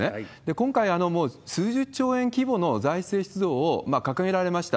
今回、もう数十兆円規模の財政出動を掲げられました。